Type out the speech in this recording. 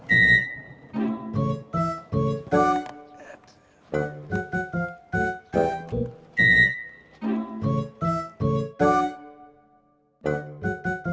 bisa pak di tengah tengah